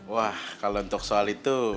wah kalau untuk soal itu